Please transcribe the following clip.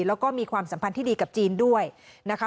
แล้วก็มีความสัมพันธ์ที่ดีกับจีนด้วยนะคะ